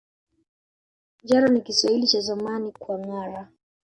Njaro ni Kiswahili cha zamani kwa ngâara